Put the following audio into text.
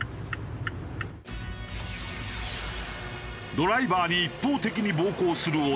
ドライバーに一方的に暴行する男。